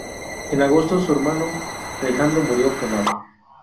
En agosto, su hermano Alejandro murió quemado.